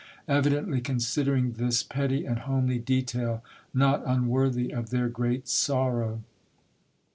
— evidently considering this petty and homely detail not unworthy of their great sorrow.